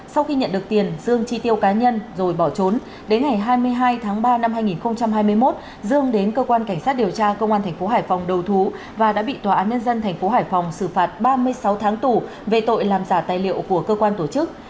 sau khi nhận được tiền dương chi tiêu cá nhân rồi bỏ trốn đến ngày hai mươi hai tháng ba năm hai nghìn hai mươi một dương đến cơ quan cảnh sát điều tra công an tp hải phòng đầu thú và đã bị tòa án nhân dân tp hải phòng xử phạt ba mươi sáu tháng tù về tội làm giả tài liệu của cơ quan tổ chức